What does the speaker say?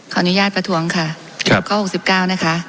ขออนุญาตประท้วงค่ะครับข้อหกสิบเก้านะคะ